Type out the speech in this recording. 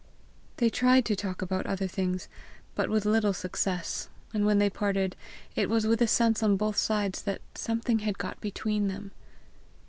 They tried to talk about other things, but with little success, and when they parted, it was with a sense on both sides that something had got between them.